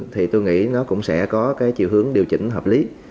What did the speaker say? thì tôi nghĩ nó cũng sẽ có cái chiều hướng điều chỉnh hợp lý